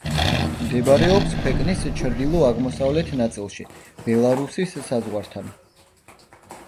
მდებარეობს ქვეყნის ჩრდილო-აღმოსავლეთ ნაწილში, ბელარუსის საზღვართან.